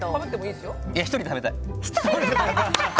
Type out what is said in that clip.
１人で食べたい。